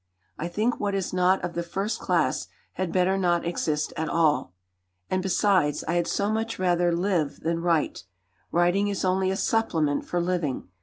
I think what is not of the first class had better not exist at all; and besides I had so much rather live than write; writing is only a supplement for living.